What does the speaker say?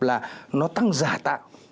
là nó tăng giả tạng